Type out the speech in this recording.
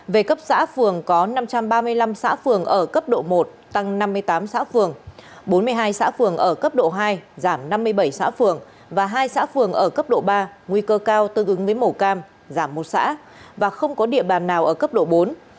về cấp xã phường có năm trăm ba mươi năm xã phường ở cấp độ một tăng năm mươi tám xã phường bốn mươi hai xã phường ở cấp độ hai giảm năm mươi bảy xã phường và hai xã phường ở cấp độ ba nguy cơ cao tương ứng với màu cam giảm một xã và không có địa bàn nào ở cấp độ bốn